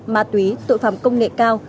ma túy tội phạm công nghệ cao